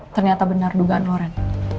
ternyata benar dugaan loren